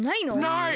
ない。